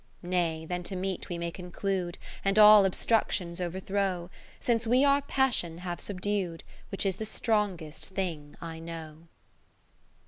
VI Nay then to meet we may conclude, And all obstructions overthrow, Since we our passion have subdu'd. Which is the strongest thing I know.